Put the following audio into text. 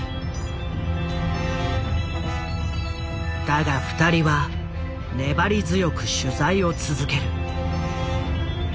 だが２人は粘り強く取材を続ける。